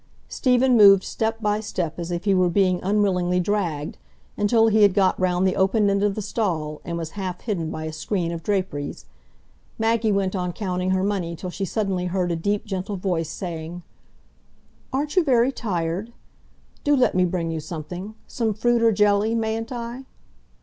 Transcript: Stephen moved step by step as if he were being unwillingly dragged, until he had got round the open end of the stall, and was half hidden by a screen of draperies. Maggie went on counting her money till she suddenly heard a deep gentle voice saying, "Aren't you very tired? Do let me bring you something,—some fruit or jelly, mayn't I?"